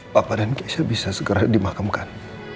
papa dan kisah bisa segera dimakamkan